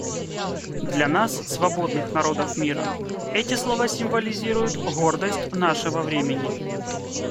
Для нас, свободных народов мира, эти слова символизируют гордость нашего времени.